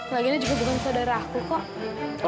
laginya juga bukan saudara aku kok